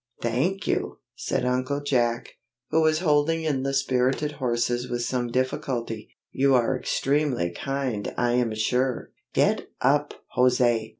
"Thank you!" said Uncle Jack, who was holding in the spirited horses with some difficulty, "you are extremely kind, I am sure!" "Get up, José!"